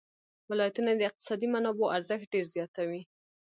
ولایتونه د اقتصادي منابعو ارزښت ډېر زیاتوي.